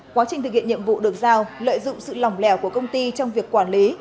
quá trình thực hiện nhiệm vụ được giao lợi dụng sự lỏng lẻo của công ty trong việc quản lý